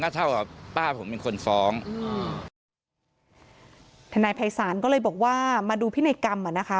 ท่านนายภัยศาลก็เลยบอกว่ามาดูพินัยกรรมอะนะคะ